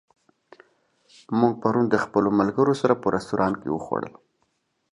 موږ پرون د خپلو ملګرو سره په رستورانت کې وخوړل.